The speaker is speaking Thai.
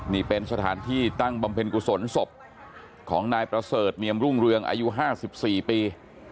นี่เป็นสถานที่ตั้งบำเพ็ญกุศลศพของนายประเสริฐเนียมรุ่งเรืองอายุ๕๔ปี